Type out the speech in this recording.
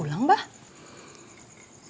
bahkan kita hidupnya